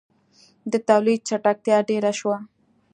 • د تولید چټکتیا ډېره شوه.